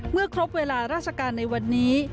เมื่อครบเวลาราชการในวันนี้